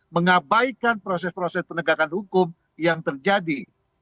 mengabaikan proses proses penegakan hukum yang terjadi